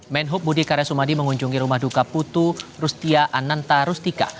menhub budi karya sumadi mengunjungi rumah duka putu rustia ananta rustika